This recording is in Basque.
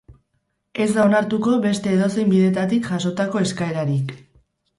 Ez da onartuko beste edozein bidetatik jasotako eskaerarik.